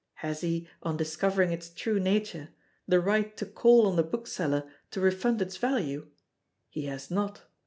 Has he, on discovering its true nature, the right to call on the bookseller to refund its value? He has not.